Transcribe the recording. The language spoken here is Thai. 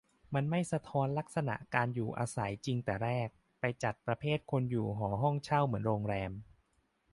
มันไม่สะท้อนลักษณะการอยู่อาศัยจริงแต่แรก ไปจัดประเภทคนอยู่หอ ห้องเช่า เหมือนโรงแรม